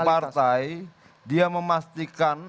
partai dia memastikan